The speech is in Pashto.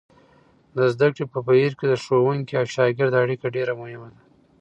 د زده کړې په بهیر کې د ښوونکي او شاګرد اړیکه ډېره مهمه ده.